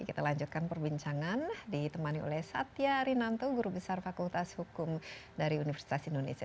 kita lanjutkan perbincangan ditemani oleh satya rinanto guru besar fakultas hukum dari universitas indonesia